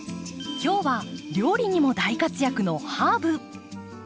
今日は料理にも大活躍のハーブ。